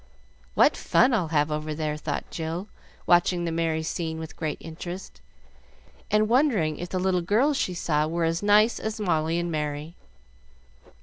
"What fun I'll have over there," thought Jill, watching the merry scene with intense interest, and wondering if the little girls she saw were as nice as Molly and Merry.